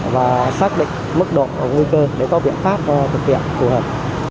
và xác định mức độ và nguy cơ để có biện pháp thực hiện phù hợp